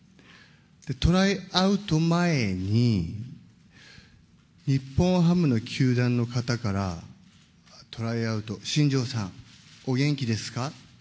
トライアウト前に、日本ハムの球団の方から、トライアウト、新庄さん、お元気ですか？